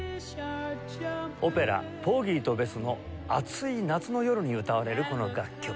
オペラ『ポーギーとベス』の暑い夏の夜に歌われるこの楽曲。